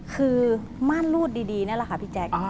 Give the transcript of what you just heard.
คือม่านรูดดีนี่แหละค่ะพี่แจ๊ค